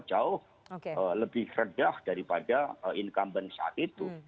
jauh lebih rendah daripada incumbent saat itu